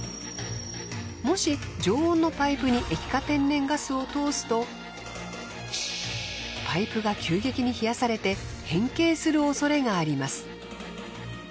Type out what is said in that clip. もし常温のパイプに液化天然ガスを通すとパイプが急激に冷やされて変形するおそれがあります。